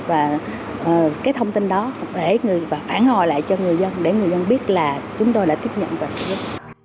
và cái thông tin đó để phản hồi lại cho người dân để người dân biết là chúng tôi đã tiếp nhận và xử lý